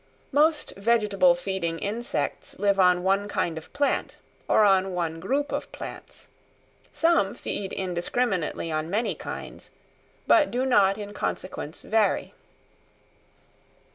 Most vegetable feeding insects live on one kind of plant or on one group of plants; some feed indiscriminately on many kinds, but do not in consequence vary.